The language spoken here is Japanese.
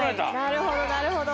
なるほどなるほど。